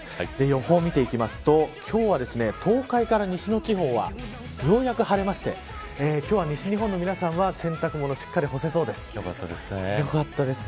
予報を見ていきますと今日は東海から西の地方はようやく晴れまして今日は西日本の皆さんは洗濯物しっかり干せそうです。